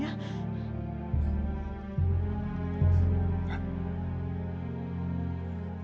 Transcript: ada apa jim